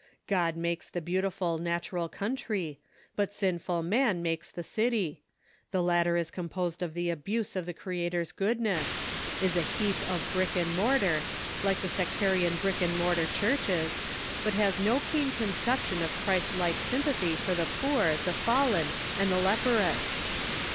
God makes the beautiful natural country, but sinful man makes the city ; the latter is composed of the abuse of the Crea tor's goodness, is a heap of brick and mortar, like the sectarian brick and mortar churches, but has no keen conception of Christ like sympathy for the poor, the fallen and the leprous.